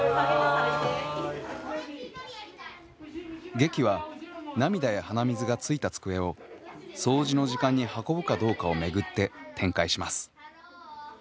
劇は涙や鼻水がついた机を掃除の時間に運ぶかどうかを巡って展開します。